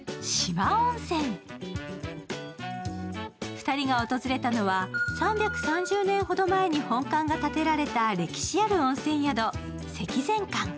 ２人が訪れたのは３３０年ほど前に本館が建てられた歴史ある温泉宿積善館。